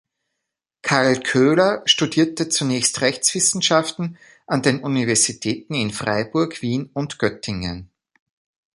Karl Köhler studierte zunächst Rechtswissenschaften an den Universitäten in Freiburg, Wien und Göttingen.